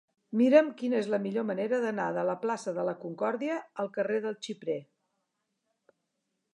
Mira'm quina és la millor manera d'anar de la plaça de la Concòrdia al carrer del Xiprer.